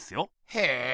へえ